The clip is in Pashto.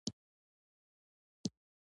• د شلو کسانو په شاوخوا کې یې زدهکوونکي درلودل.